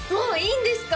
いいんですか？